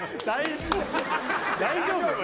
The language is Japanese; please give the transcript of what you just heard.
大丈夫？